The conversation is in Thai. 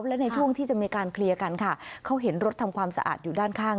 และในช่วงที่จะมีการเคลียร์กันค่ะเขาเห็นรถทำความสะอาดอยู่ด้านข้าง